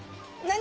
何？